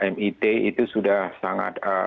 mit itu sudah sangat